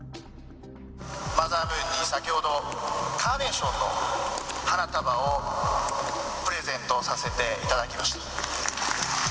マザームーンに先ほど、カーネーションの花束をプレゼントさせていただきました。